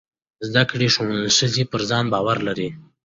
زده کړې ښځې پر ځان باور لري.